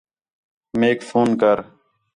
میک فون کر